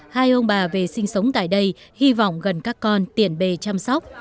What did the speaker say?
hai ông bà về sinh sống tại đây hy vọng gần các con tiện bề chăm sóc